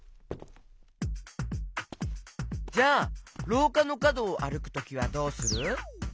じゃあろうかのかどをあるくときはどうする？